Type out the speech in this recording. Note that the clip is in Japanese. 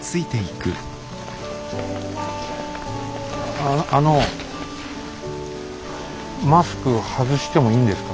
ああのマスク外してもいいんですか？